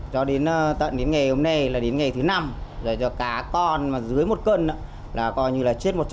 cho đến tận đến ngày hôm nay là đến ngày thứ năm là cho cá con mà dưới một cân là coi như là chết một trăm linh